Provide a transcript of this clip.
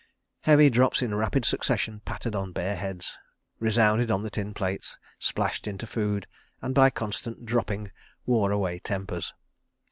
Heavy drops in rapid succession pattered on bare heads, resounded on the tin plates, splashed into food, and, by constant dropping, wore away tempers.